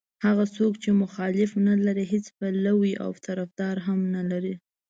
هغه څوک چې مخالف نه لري هېڅ پلوی او طرفدار هم نه لري.